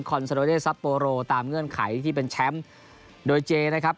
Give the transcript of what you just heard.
ซาโดเดซับโปโรตามเงื่อนไขที่เป็นแชมป์โดยเจนะครับ